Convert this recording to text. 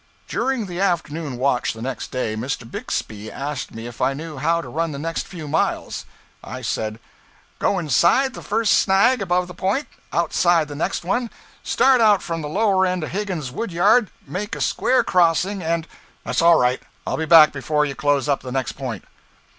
During the afternoon watch the next day, Mr. Bixby asked me if I knew how to run the next few miles. I said 'Go inside the first snag above the point, outside the next one, start out from the lower end of Higgins's wood yard, make a square crossing and ' 'That's all right. I'll be back before you close up on the next point.'